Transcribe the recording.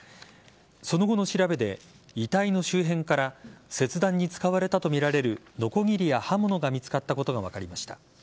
その後の調べで遺体の周辺から切断に使われたとみられるのこぎりや刃物が見つかったことが分かりました。